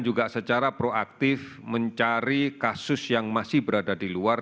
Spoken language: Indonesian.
juga secara proaktif mencari kasus yang masih berada di luar